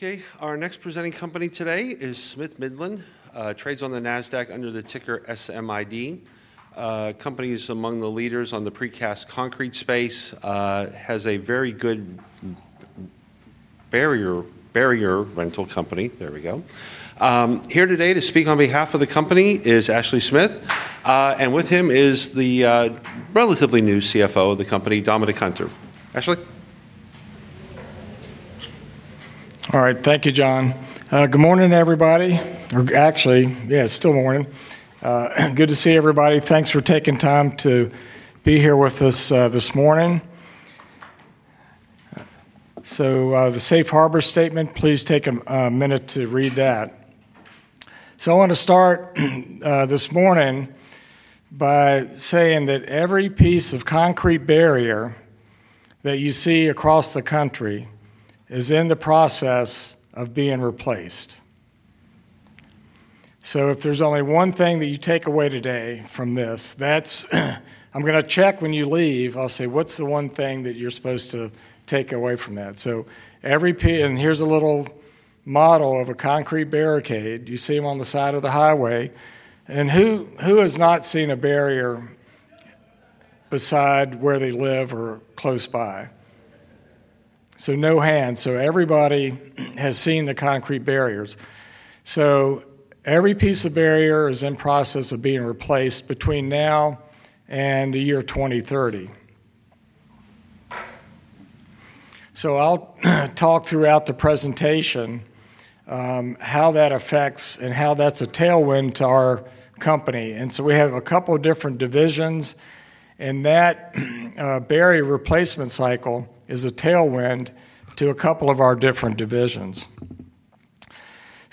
Okay, our next presenting company today is Smith-Midland, trades on the NASDAQ under the ticker SMID. The company is among the leaders in the precast concrete space. It has a very good barrier, barrier rental company. Here today to speak on behalf of the company is Ashley Smith, and with him is the relatively new CFO of the company, Dominic Hunter. Ashley? All right. Thank you, John. Good morning, everybody. Or actually, yeah, it's still morning. Good to see everybody. Thanks for taking time to be here with us this morning. The Safe Harbor statement, please take a minute to read that. I want to start this morning by saying that every piece of concrete barrier that you see across the country is in the process of being replaced. If there's only one thing that you take away today from this, that's, I'm going to check when you leave. I'll say, what's the one thing that you're supposed to take away from that? Every piece, and here's a little model of a concrete barricade. You see them on the side of the highway. Who has not seen a barrier beside where they live or close by? No hands. Everybody has seen the concrete barriers. Every piece of barrier is in the process of being replaced between now and the year 2030. I'll talk throughout the presentation about how that affects and how that's a tailwind to our company. We have a couple of different divisions, and that barrier replacement cycle is a tailwind to a couple of our different divisions.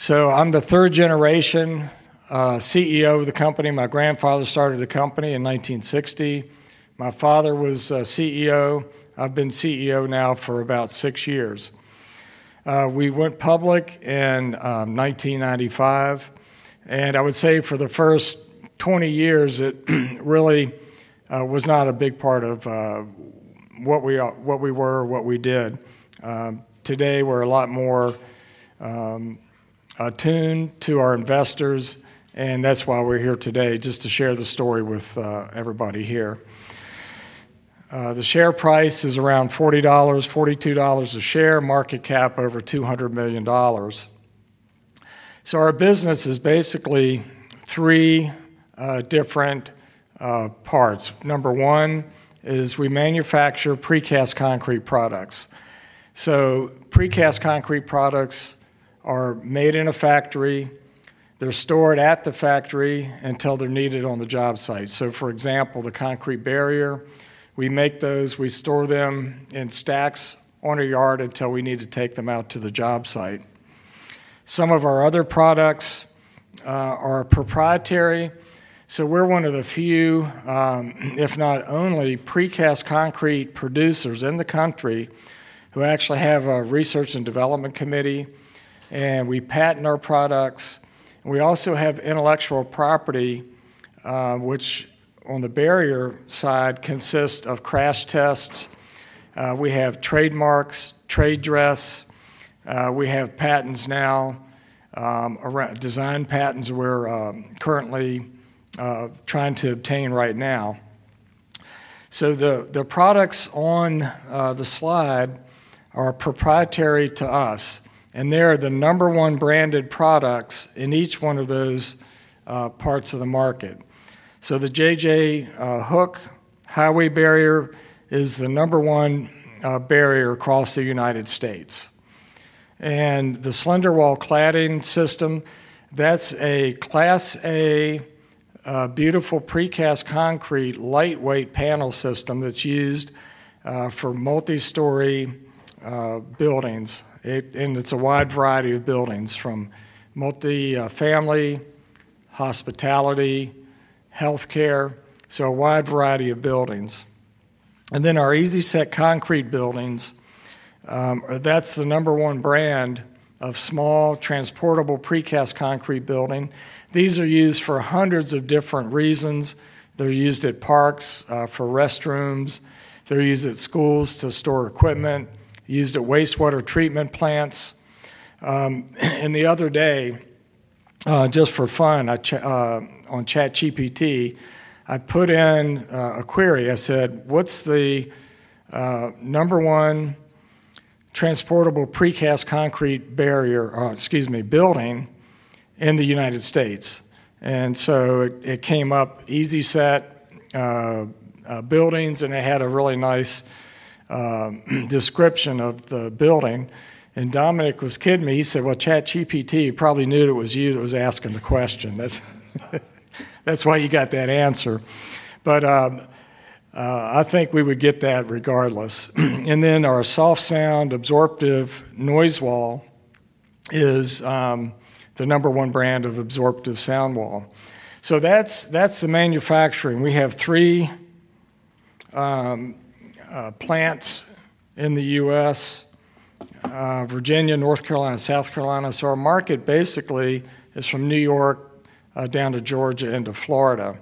I'm the third generation CEO of the company. My grandfather started the company in 1960. My father was a CEO. I've been CEO now for about six years. We went public in 1995. I would say for the first 20 years, it really was not a big part of what we are, what we were, what we did. Today we're a lot more attuned to our investors, and that's why we're here today, just to share the story with everybody here. The share price is around $40, $42 a share, market cap over $200 million. Our business is basically three different parts. Number one is we manufacture precast concrete products. Precast concrete products are made in a factory. They're stored at the factory until they're needed on the job site. For example, the concrete barrier, we make those, we store them in stacks on a yard until we need to take them out to the job site. Some of our other products are proprietary. We're one of the few, if not only, precast concrete producers in the country who actually have a research and development committee, and we patent our products. We also have intellectual property, which on the barrier side consists of crash tests. We have trademarks, trade dress. We have patents now, design patents we're currently trying to obtain right now. The products on the slide are proprietary to us, and they're the number one branded products in each one of those parts of the market. The JJ Hooks highway barrier is the number one barrier across the United States. The SlenderWall cladding system, that's a Class A, beautiful precast concrete, lightweight panel system that's used for multi-story buildings. It's a wide variety of buildings from multifamily, hospitality, healthcare, so a wide variety of buildings. Our Easi-Set Buildings, that's the number one brand of small transportable precast concrete building. These are used for hundreds of different reasons. They're used at parks for restrooms. They're used at schools to store equipment, used at wastewater treatment plants. The other day, just for fun, I, on ChatGPT, I put in a query. I said, what's the number one transportable precast concrete building in the United States? It came up, Easi-Set Buildings, and it had a really nice description of the building. Dominic was kidding me. He said, ChatGPT probably knew it was you that was asking the question. That's why you got that answer. I think we would get that regardless. Our SoftSound absorptive noise wall is the number one brand of absorptive sound wall. That's the manufacturing. We have three plants in the U.S., Virginia, North Carolina, South Carolina. Our market basically is from New York down to Georgia into Florida.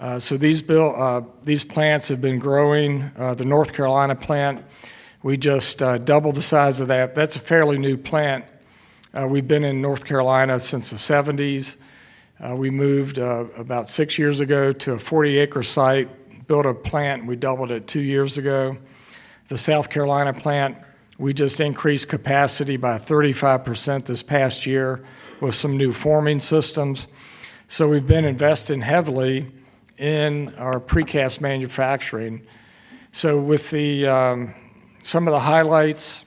These plants have been growing. The North Carolina plant, we just doubled the size of that. That's a fairly new plant. We've been in North Carolina since the 1970s. We moved about six years ago to a 40-acre site, built a plant, and we doubled it two years ago. The South Carolina plant, we just increased capacity by 35% this past year with some new forming systems. We've been investing heavily in our precast manufacturing. With some of the highlights,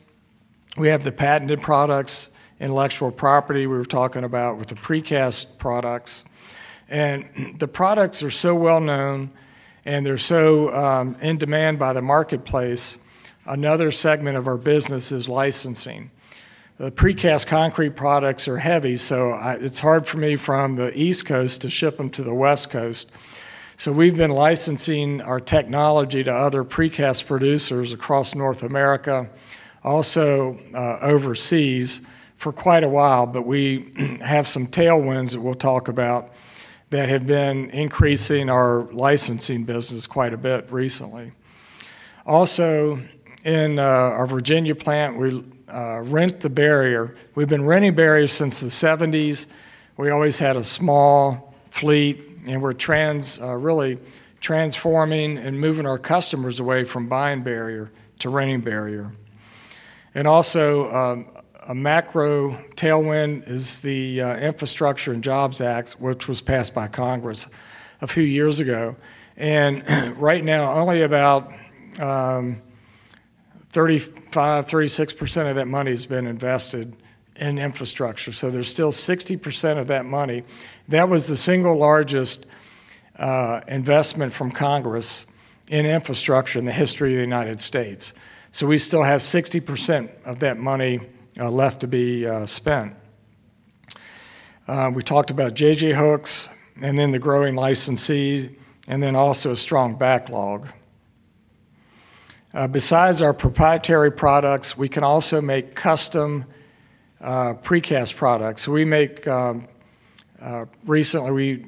we have the patented products, intellectual property we were talking about with the precast products. The products are so well known, and they're so in demand by the marketplace. Another segment of our business is licensing. The precast concrete products are heavy, so it's hard for me from the East Coast to ship them to the West Coast. We've been licensing our technology to other precast producers across North America, also overseas for quite a while, but we have some tailwinds that we'll talk about that have been increasing our licensing business quite a bit recently. Also, in our Virginia plant, we rent the barrier. We've been renting barriers since the 1970s. We always had a small fleet, and we're really transforming and moving our customers away from buying barrier to renting barrier. Also, a macro tailwind is the Infrastructure Investment and Jobs Act, which was passed by Congress a few years ago. Right now, only about 35%-36% of that money has been invested in infrastructure. There's still 60% of that money. That was the single largest investment from Congress in infrastructure in the history of the United States. We still have 60% of that money left to be spent. We talked JJ Hooks and then the growing licensees and also a strong backlog. Besides our proprietary products, we can also make custom precast products. We make, recently, we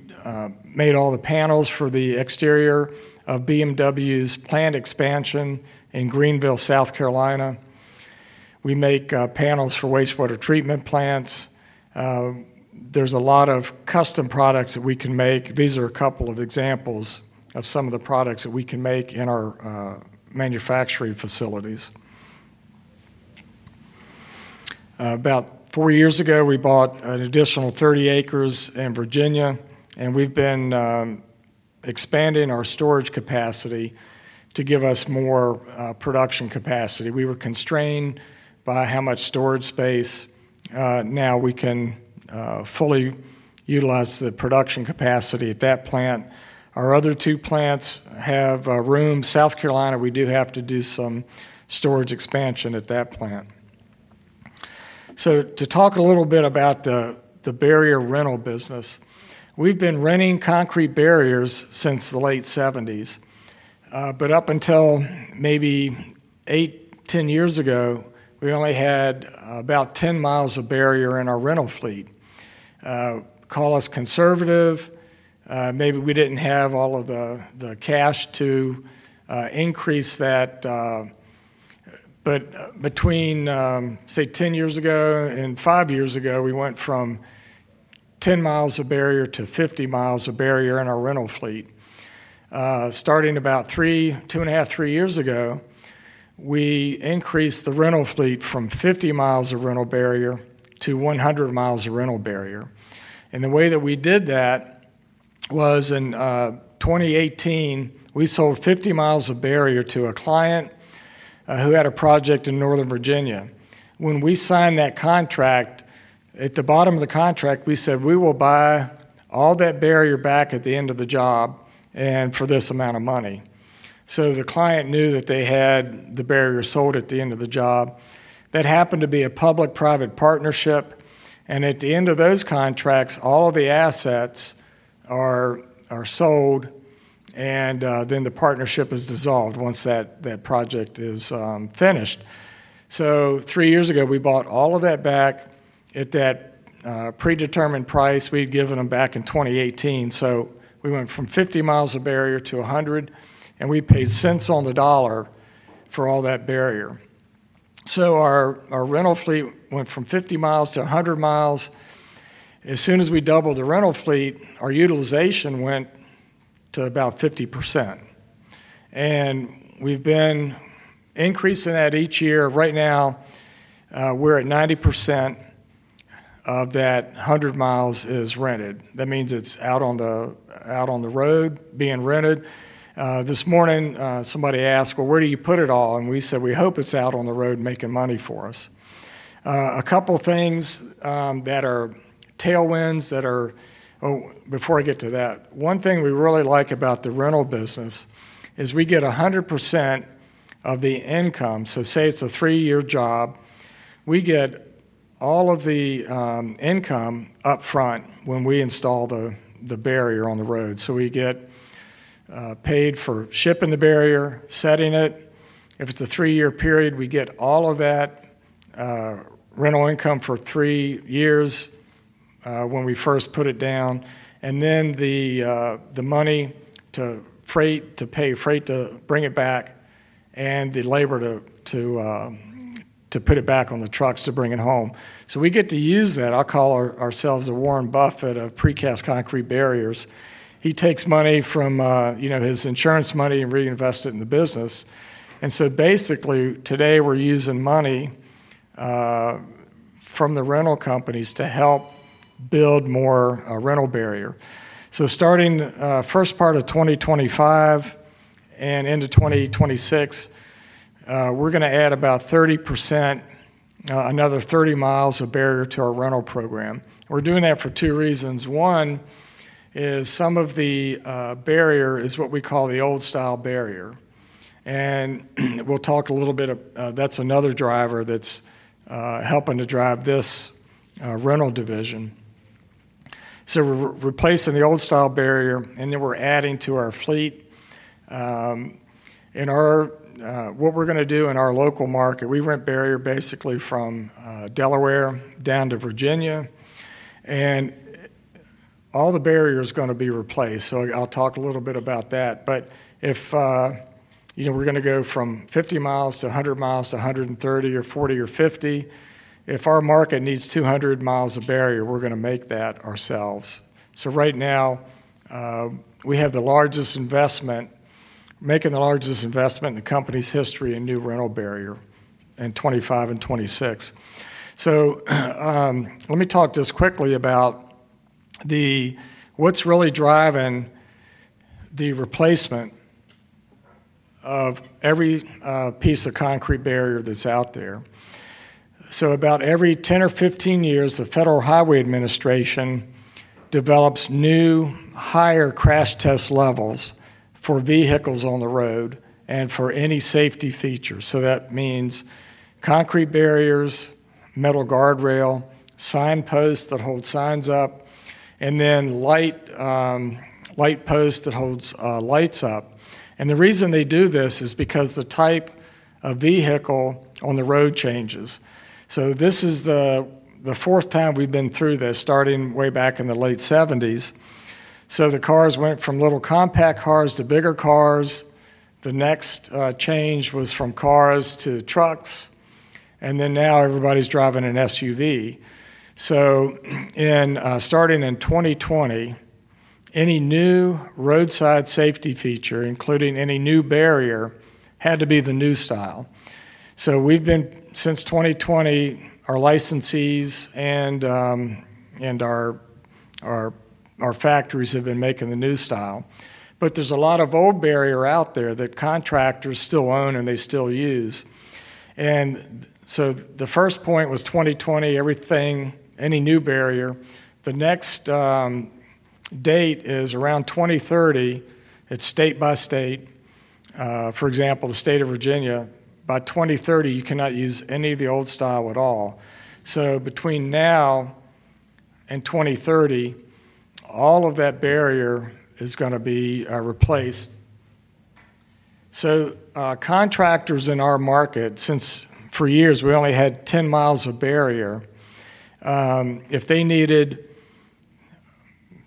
made all the panels for the exterior of BMW's plant expansion in Greenville, South Carolina. We make panels for wastewater treatment plants. There's a lot of custom products that we can make. These are a couple of examples of some of the products that we can make in our manufacturing facilities. About four years ago, we bought an additional 30 acres in Virginia, and we've been expanding our storage capacity to give us more production capacity. We were constrained by how much storage space. Now we can fully utilize the production capacity at that plant. Our other two plants have rooms. South Carolina, we do have to do some storage expansion at that plant. To talk a little bit about the barrier rental business, we've been renting concrete barriers since the late 1970s. Up until maybe eight, ten years ago, we only had about ten miles of barrier in our rental fleet. Call us conservative. Maybe we didn't have all of the cash to increase that. Between, say, ten years ago and five years ago, we went from ten miles of barrier to 50 miles of barrier in our rental fleet. Starting about two and a half, three years ago, we increased the rental fleet from 50 miles of rental barrier to 100 miles of rental barrier. The way that we did that was in 2018, we sold 50 miles of barrier to a client who had a project in Northern Virginia. When we signed that contract, at the bottom of the contract, we said, "We will buy all that barrier back at the end of the job and for this amount of money." The client knew that they had the barrier sold at the end of the job. That happened to be a public-private partnership. At the end of those contracts, all of the assets are sold, and the partnership is dissolved once that project is finished. Three years ago, we bought all of that back at that predetermined price we'd given them back in 2018. We went from 50 miles of barrier to 100, and we paid $0.01 on the dollar for all that barrier. Our rental fleet went from 50 miles to 100 miles. As soon as we doubled the rental fleet, our utilization went to about 50%. We've been increasing that each year. Right now, we're at 90% of that 100 miles is rented. That means it's out on the road being rented. This morning, somebody asked, "Where do you put it all?" We said, "We hope it's out on the road making money for us." A couple of things that are tailwinds that are—oh, before I get to that, one thing we really like about the rental business is we get 100% of the income. Say it's a three-year job. We get all of the income upfront when we install the barrier on the road. We get paid for shipping the barrier, setting it. If it's a three-year period, we get all of that rental income for three years when we first put it down, and then the money to pay freight to bring it back, and the labor to put it back on the trucks to bring it home. We get to use that. I call ourselves a Warren Buffett of precast concrete barriers. He takes money from, you know, his insurance money and reinvests it in the business. Basically, today we're using money from the rental companies to help build more rental barrier. Starting first part of 2025 and into 2026, we're going to add about 30%, another 30 miles of barrier to our rental program. We're doing that for two reasons. One is some of the barrier is what we call the old style barrier. That's another driver that's helping to drive this rental division. We're replacing the old style barrier, and then we're adding to our fleet. In our local market, we rent barrier basically from Delaware down to Virginia, and all the barrier is going to be replaced. I'll talk a little bit about that. If we're going to go from 50 miles to 100 miles to 130 miles or 140 miles or 150 miles, if our market needs 200 miles of barrier, we're going to make that ourselves. Right now, we have the largest investment, making the largest investment in the company's history in new rental barrier in 2025 and 2026. Let me talk just quickly about what's really driving the replacement of every piece of concrete barrier that's out there. About every 10 or 15 years, the Federal Highway Administration develops new higher crash test levels for vehicles on the road and for any safety features. That means concrete barriers, metal guardrail, sign posts that hold signs up, and then light posts that hold lights up. The reason they do this is because the type of vehicle on the road changes. This is the fourth time we've been through this, starting way back in the late 1970s. The cars went from little compact cars to bigger cars. The next change was from cars to trucks. Now everybody's driving an SUV. Starting in 2020, any new roadside safety feature, including any new barrier, had to be the new style. Since 2020, our licensees and our factories have been making the new style. There's a lot of old barrier out there that contractors still own and they still use. The first point was 2020, everything, any new barrier. The next date is around 2030. It's state by state. For example, the state of Virginia, by 2030, you cannot use any of the old style at all. Between now and 2030, all of that barrier is going to be replaced. Contractors in our market, since for years we only had 10 miles of barrier, if they needed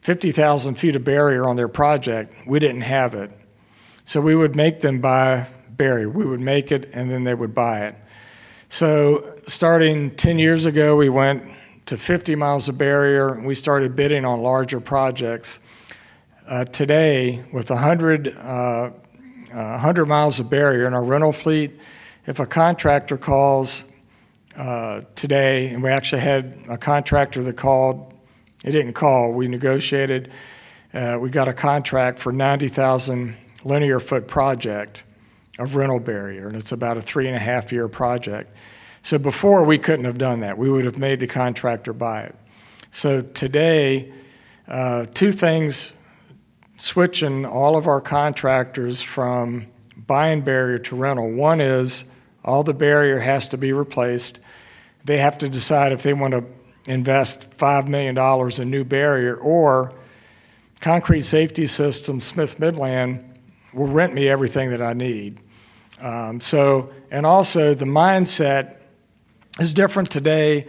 50,000 feet of barrier on their project, we didn't have it. We would make them buy barrier. We would make it, and then they would buy it. Starting 10 years ago, we went to 50 miles of barrier. We started bidding on larger projects. Today, with 100 miles of barrier in our rental fleet, if a contractor calls today, and we actually had a contractor that called, we negotiated, we got a contract for a 90,000 linear foot project of rental barrier, and it's about a three and a half year project. Before, we couldn't have done that. We would have made the contractor buy it. Today, two things, switching all of our contractors from buying barrier to rental. One is all the barrier has to be replaced. They have to decide if they want to invest $5 million in new barrier or concrete safety systems. Smith-Midland will rent me everything that I need. Also, the mindset is different today.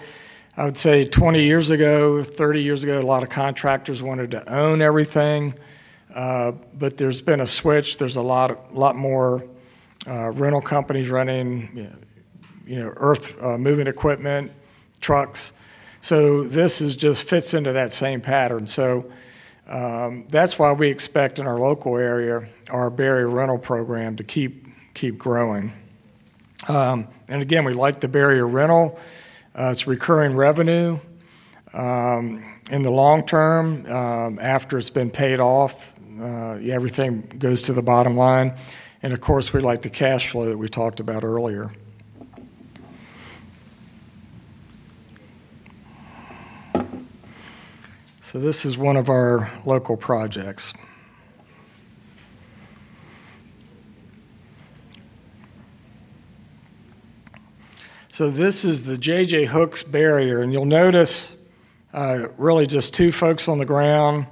I would say 20 years ago, 30 years ago, a lot of contractors wanted to own everything, but there's been a switch. There's a lot more rental companies running, you know, earth moving equipment, trucks. This just fits into that same pattern. That's why we expect in our local area our barrier rental program to keep growing. We like the barrier rental. It's recurring revenue. In the long term, after it's been paid off, everything goes to the bottom line. Of course, we like the cash flow that we talked about earlier. This is one of our local projects. This is JJ Hooks barrier. You'll notice, really just two folks on the ground.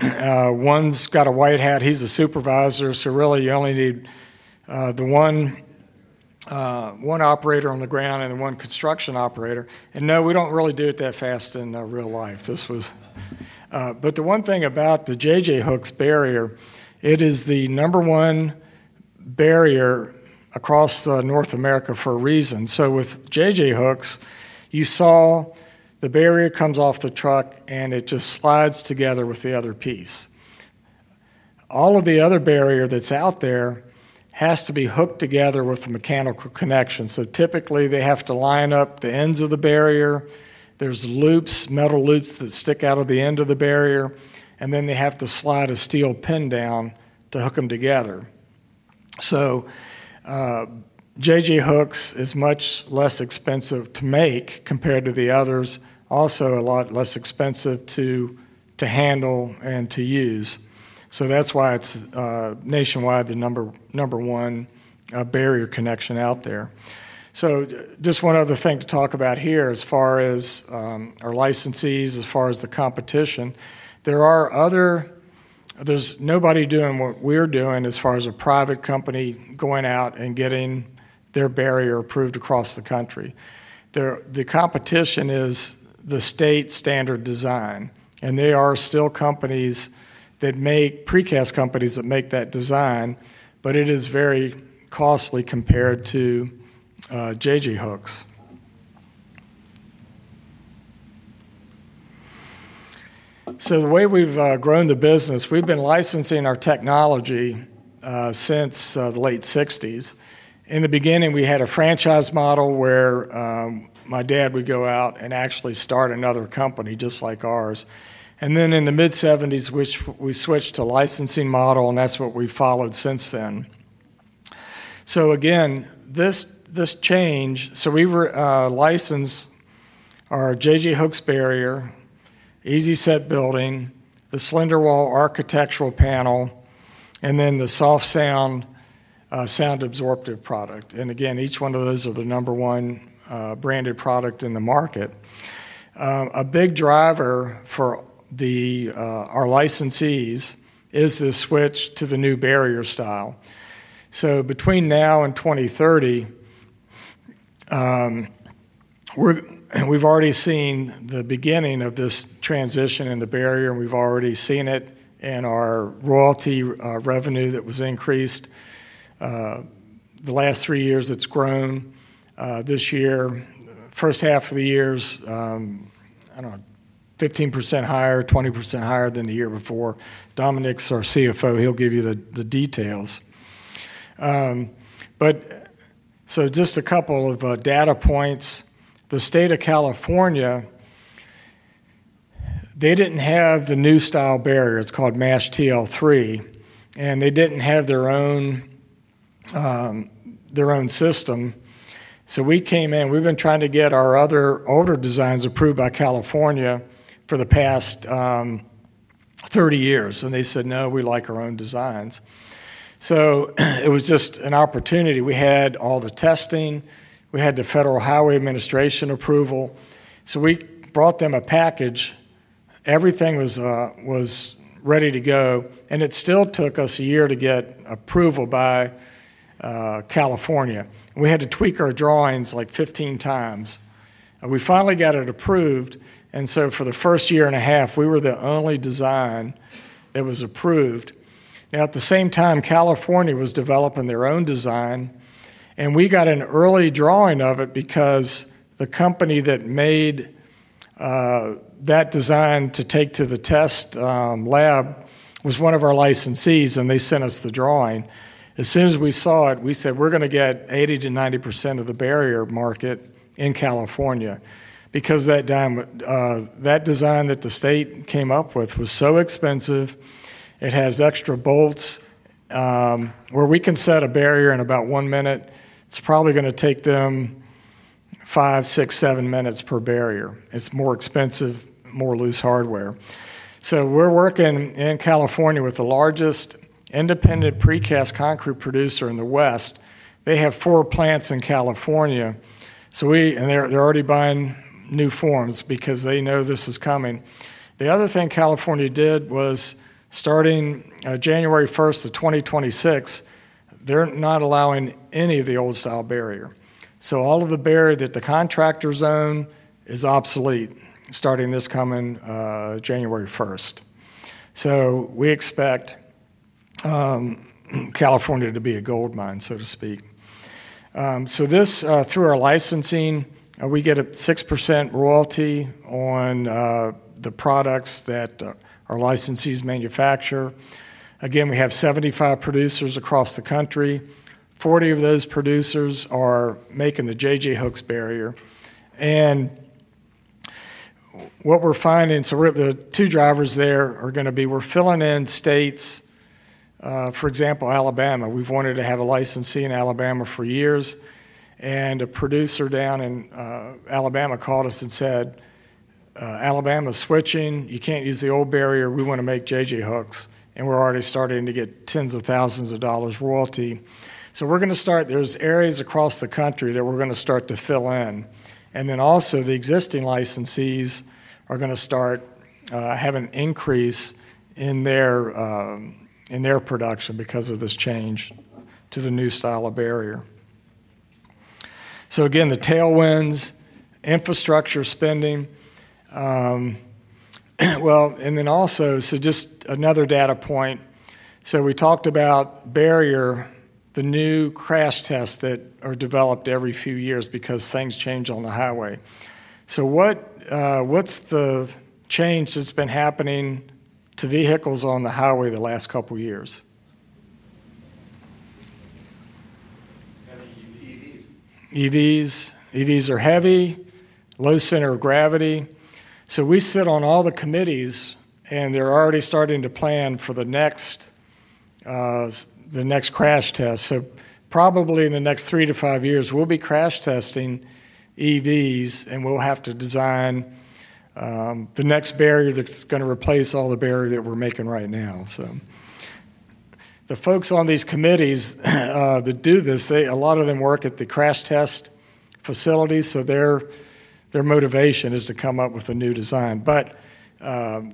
One's got a white hat. He's a supervisor. You only need the one operator on the ground and the one construction operator. No, we don't really do it that fast in real life. This was, but the one thing about JJ Hooks barrier, it is the number one barrier across North America for a reason. JJ Hooks, you saw the barrier comes off the truck, and it just slides together with the other piece. All of the other barrier that's out there has to be hooked together with a mechanical connection. Typically, they have to line up the ends of the barrier. There are loops, metal loops that stick out of the end of the barrier, and then they have to slide a steel pin down to hook them together. JJ Hooks is much less expensive to make compared to the others, also a lot less expensive to handle and to use. That's why it's nationwide the number one barrier connection out there. One other thing to talk about here as far as our licensees, as far as the competition. There are other, there's nobody doing what we're doing as far as a private company going out and getting their barrier approved across the country. The competition is the state standard design, and there are still companies that make, precast companies that make that design, but it is very costly compared JJ Hooks. The way we've grown the business, we've been licensing our technology since the late 1960s. In the beginning, we had a franchise model where my dad would go out and actually start another company just like ours. In the mid-70s, we switched to a licensing model, and that's what we've followed since then. This change, we licensed JJ Hooks highway barriers, Easi-Set Buildings, the SlenderWall cladding systems, and then the SoftSound absorptive noise walls. Each one of those is the number one branded product in the market. A big driver for our licensees is the switch to the new barrier style. Between now and 2030, we've already seen the beginning of this transition in the barrier, and we've already seen it in our royalty income that was increased. The last three years, it's grown. This year, the first half of the year's, I don't know, 15% higher, 20% higher than the year before. Dominic is our CFO. He'll give you the details. Just a couple of data points. The state of California didn't have the new style barrier. It's called MASH TL3, and they didn't have their own system. We came in. We've been trying to get our other older designs approved by California for the past 30 years, and they said, "No, we like our own designs." It was just an opportunity. We had all the testing. We had the Federal Highway Administration approval. We brought them a package. Everything was ready to go. It still took us a year to get approval by California. We had to tweak our drawings like 15 times. We finally got it approved. For the first year and a half, we were the only design that was approved. At the same time, California was developing their own design, and we got an early drawing of it because the company that made that design to take to the test lab was one of our licensees, and they sent us the drawing. As soon as we saw it, we said, "We're going to get 80%-90% of the barrier market in California," because that design that the state came up with was so expensive. It has extra bolts, where we can set a barrier in about one minute. It's probably going to take them five, six, seven minutes per barrier. It's more expensive, more loose hardware. We're working in California with the largest independent precast concrete producer in the West. They have four plants in California, and they're already buying new forms because they know this is coming. The other thing California did was starting January 1st, 2026, they're not allowing any of the old style barrier. All of the barrier that the contractors own is obsolete starting this coming January 1st. We expect California to be a gold mine, so to speak. Through our licensing, we get a 6% royalty on the products that our licensees manufacture. Again, we have 75 producers across the country. Forty of those producers are making JJ Hooks barrier. What we're finding is the two drivers there are going to be, we're filling in states. For example, Alabama. We've wanted to have a licensee in Alabama for years, and a producer down in Alabama called us and said, "Alabama's switching. You can't use the old barrier. We want to JJ Hooks." We're already starting to get tens of thousands of dollars royalty. We're going to start, there's areas across the country that we're going to start to fill in. Also, the existing licensees are going to start having an increase in their production because of this change to the new style of barrier. Again, the tailwinds, infrastructure spending. Just another data point, we talked about barrier, the new crash tests that are developed every few years because things change on the highway. What's the change that's been happening to vehicles on the highway the last couple of years? EVs. EVs are heavy, low center of gravity. We sit on all the committees, and they're already starting to plan for the next crash test. Probably in the next three to five years, we'll be crash testing EVs, and we'll have to design the next barrier that's going to replace all the barrier that we're making right now. The folks on these committees that do this, a lot of them work at the crash test facility. Their motivation is to come up with a new design.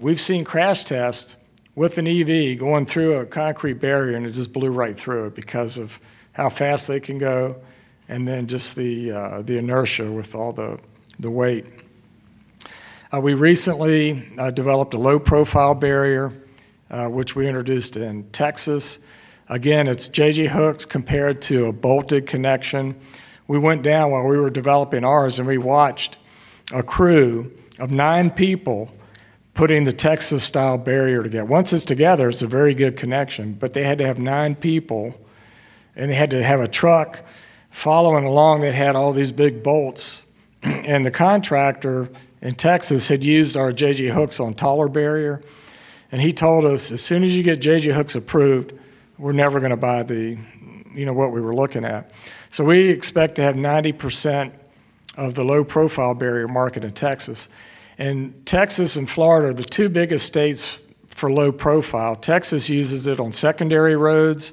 We've seen crash tests with an EV going through a concrete barrier, and it just blew right through it because of how fast they can go and the inertia with all the weight. We recently developed a low profile barrier, which we introduced in Texas. Again, JJ Hooks compared to a bolted connection. We went down while we were developing ours, and we watched a crew of nine people putting the Texas style barrier together. Once it's together, it's a very good connection. They had to have nine people, and they had to have a truck following along that had all these big bolts. The contractor in Texas had used JJ Hooks on taller barrier. He told us, "As soon as you JJ Hooks approved, we're never going to buy the, you know, what we were looking at." We expect to have 90% of the low profile barrier market in Texas. Texas and Florida are the two biggest states for low profile. Texas uses it on secondary roads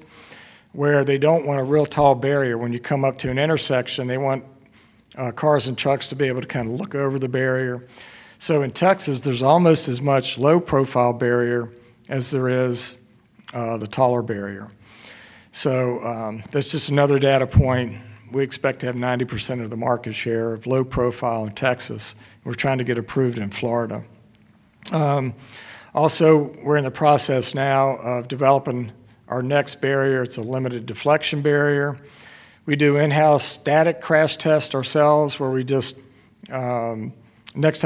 where they don't want a real tall barrier. When you come up to an intersection, they want cars and trucks to be able to kind of look over the barrier. In Texas, there's almost as much low profile barrier as there is the taller barrier. That's just another data point. We expect to have 90% of the market share of low profile in Texas. We're trying to get approved in Florida. We're in the process now of developing our next barrier. It's a limited deflection barrier. We do in-house static crash tests ourselves. Next time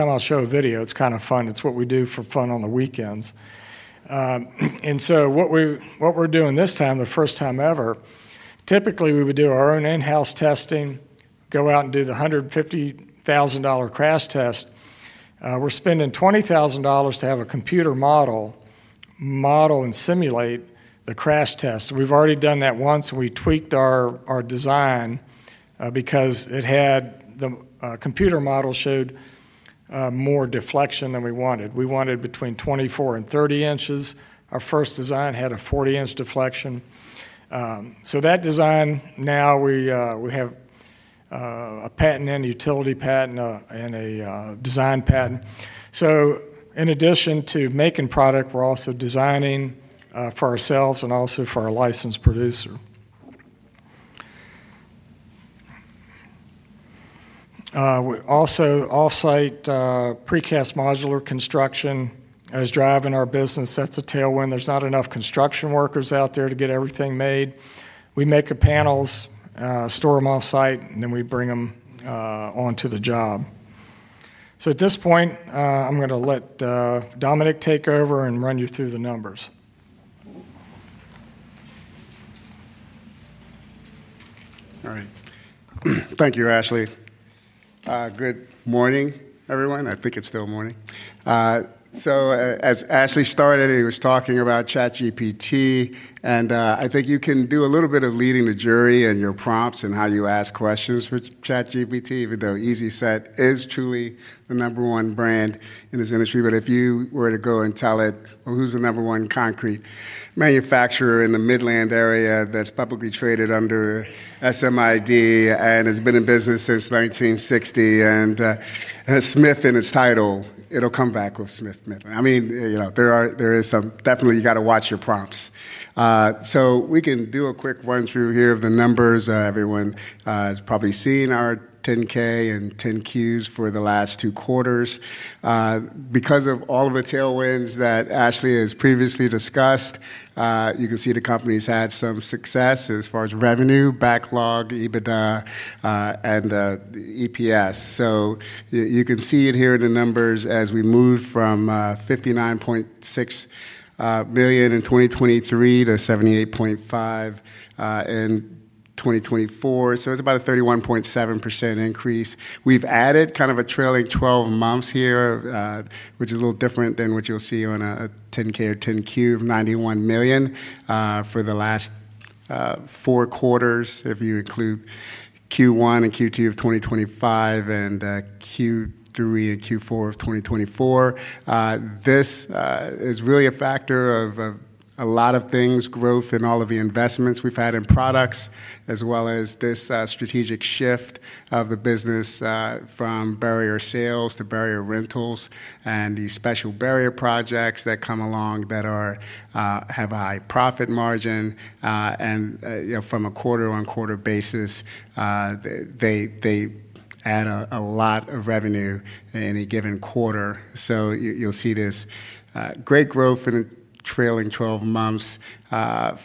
I'll show a video, it's kind of fun. It's what we do for fun on the weekends. What we're doing this time, the first time ever, typically we would do our own in-house testing, go out and do the $150,000 crash test. We're spending $20,000 to have a computer model and simulate the crash test. We've already done that once. We tweaked our design because the computer model showed more deflection than we wanted. We wanted between 24 and 30 inches. Our first design had a 40-inch deflection. That design now, we have a patent and utility patent and a design patent. In addition to making product, we're also designing for ourselves and also for our licensed producer. Offsite, precast modular construction is driving our business. That's a tailwind. There's not enough construction workers out there to get everything made. We make the panels, store them offsite, and then we bring them onto the job. At this point, I'm going to let Dominic take over and run you through the numbers. All right. Thank you, Ashley. Good morning, everyone. I think it's still morning. As Ashley started, he was talking about ChatGPT, and I think you can do a little bit of leading the jury in your prompts and how you ask questions for ChatGPT, even though Easi-Set is truly the number one brand in this industry. If you were to go and tell it, well, who's the number one concrete manufacturer in the Midland area that's publicly traded under SMID and has been in business since 1960 and Smith in its title, it'll come back with Smith-Midland. I mean, you know, there is some, definitely you got to watch your prompts. We can do a quick run-through here of the numbers. Everyone has probably seen our Form 10-K and Form 10-Qs for the last two quarters. Because of all of the tailwinds that Ashley has previously discussed, you can see the company's had some success as far as revenue, backlog, EBITDA, and the EPS. You can see it here in the numbers as we move from $59.6 million in 2023 to $78.5 million in 2024. It's about a 31.7% increase. We've added kind of a trailing twelve months here, which is a little different than what you'll see on a Form 10-K or Form 10-Q of $91 million for the last four quarters, if you include Q1 and Q2 of 2025 and Q3 and Q4 of 2024. This is really a factor of a lot of things, growth in all of the investments we've had in products, as well as this strategic shift of the business from barrier sales to barrier rentals and the special barrier projects that come along that have a high profit margin. From a quarter-on-quarter basis, they add a lot of revenue in any given quarter. You'll see this great growth in the trailing twelve months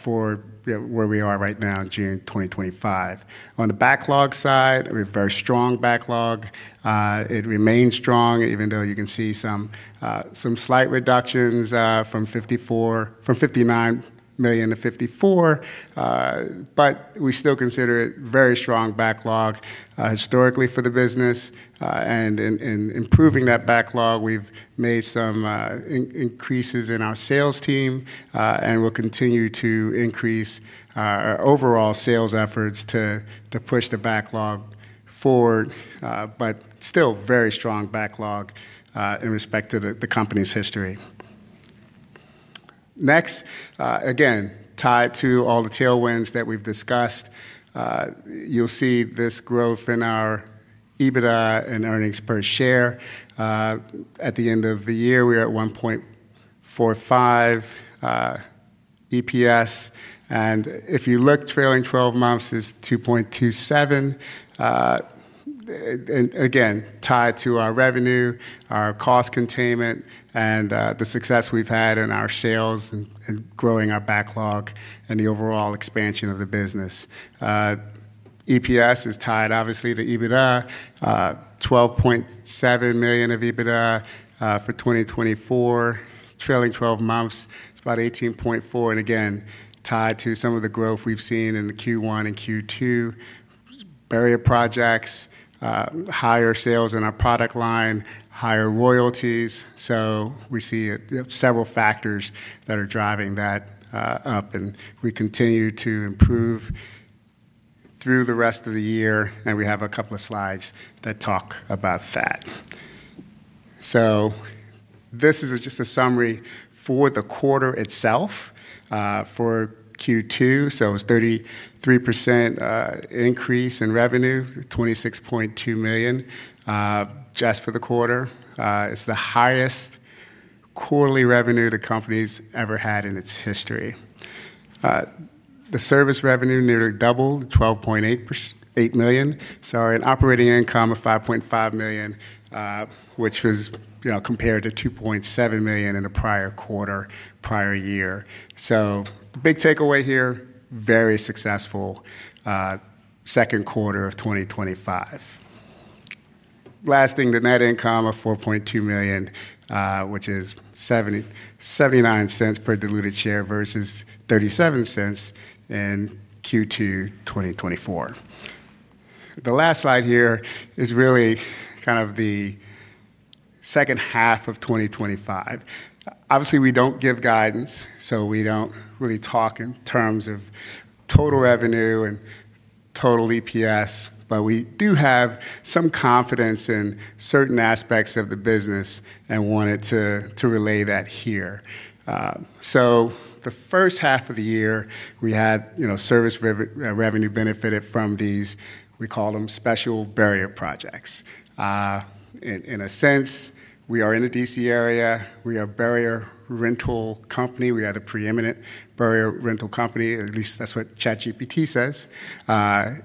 for where we are right now in June 2025. On the backlog side, we have a very strong backlog. It remains strong, even though you can see some slight reductions, from $59 million-$54 million. We still consider it a very strong backlog, historically for the business. In improving that backlog, we've made some increases in our sales team, and we'll continue to increase our overall sales efforts to push the backlog forward. Still a very strong backlog in respect to the company's history. Next, again, tied to all the tailwinds that we've discussed, you'll see this growth in our EBITDA and earnings per share. At the end of the year, we're at $1.45 EPS. If you look, trailing twelve months is $2.27. Again, tied to our revenue, our cost containment, and the success we've had in our sales and growing our backlog and the overall expansion of the business. EPS is tied, obviously, to EBITDA. $12.7 million of EBITDA for 2024, trailing twelve months, it's about $18.4 million. Again, tied to some of the growth we've seen in Q1 and Q2, barrier projects, higher sales in our product line, higher royalties. We see several factors that are driving that up. We continue to improve through the rest of the year. We have a couple of slides that talk about that. This is just a summary for the quarter itself, for Q2. It was a 33% increase in revenue, $26.2 million just for the quarter. It's the highest quarterly revenue the company's ever had in its history. The service revenue nearly doubled, $12.8 million. Sorry, an operating income of $5.5 million, which was, you know, compared to $2.7 million in the prior quarter, prior year. Big takeaway here, very successful second quarter of 2025. Last thing, the net income of $4.2 million, which is $0.79 per diluted share versus $0.37 in Q2 2024. The last slide here is really kind of the second half of 2025. Obviously, we don't give guidance, so we don't really talk in terms of total revenue and total EPS, but we do have some confidence in certain aspects of the business and wanted to relay that here. The first half of the year, we had, you know, service revenue benefited from these, we call them special barrier projects. In a sense, we are in the DC area. We are a barrier rental company. We are the preeminent barrier rental company, at least that's what ChatGPT says,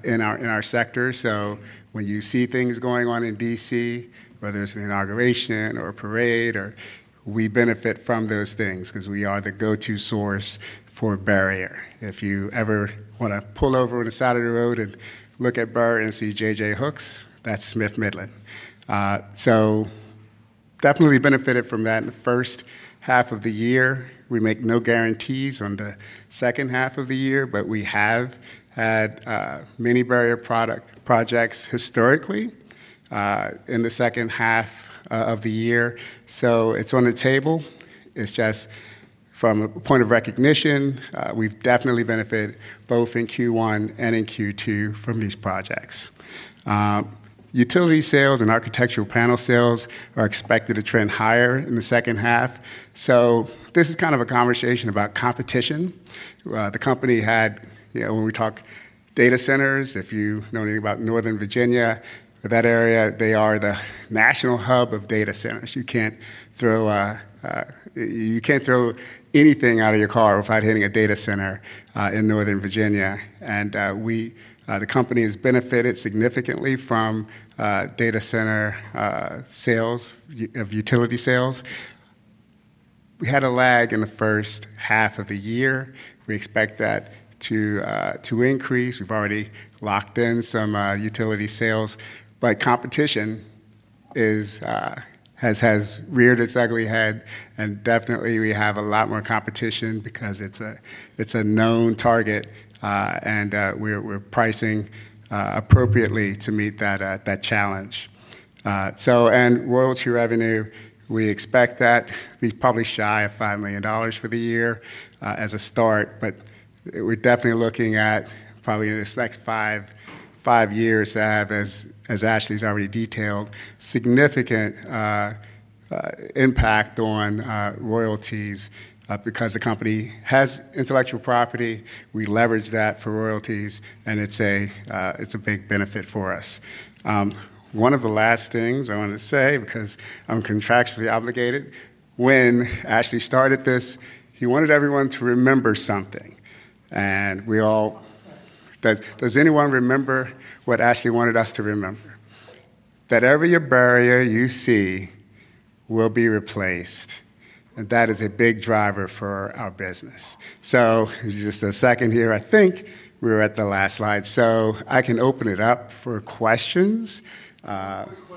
in our sector. When you see things going on in DC, whether it's an inauguration or a parade, we benefit from those things because we are the go-to source for barrier. If you ever want to pull over on a Saturday road and look at bar and JJ Hooks, that's Smith-Midland. Definitely benefited from that in the first half of the year. We make no guarantees on the second half of the year, but we have had many barrier product projects historically in the second half of the year. It's on the table. Just from a point of recognition, we've definitely benefited both in Q1 and in Q2 from these projects. Utility sales and architectural panel sales are expected to trend higher in the second half. This is kind of a conversation about competition. The company had, you know, when we talk data centers, if you know anything about Northern Virginia, that area, they are the national hub of data centers. You can't throw, you can't throw anything out of your car without hitting a data center in Northern Virginia. The company has benefited significantly from data center sales, utility sales. We had a lag in the first half of the year. We expect that to increase. We've already locked in some utility sales, but competition has reared its ugly head. We have a lot more competition because it's a known target. We're pricing appropriately to meet that challenge. Royalty revenue, we expect that we're probably shy of $5 million for the year, as a start. We're definitely looking at probably in this next five years to have, as Ashley's already detailed, significant impact on royalties because the company has intellectual property. We leverage that for royalties, and it's a big benefit for us. One of the last things I wanted to say, because I'm contractually obligated, when Ashley started this, he wanted everyone to remember something. Does anyone remember what Ashley wanted us to remember? That every barrier you see will be replaced. That is a big driver for our business. I think we're at the last slide. I can open it up for questions, please.